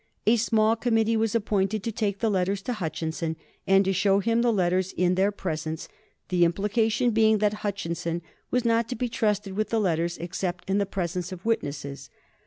A small committee was appointed to take the letters to Hutchinson and to show him the letters in their presence, the implication being that Hutchinson was not to be trusted with the letters except in the presence of witnesses.